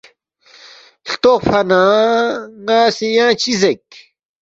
ہلتوقفا نہ ن٘ا سی ینگ چِہ زیک؟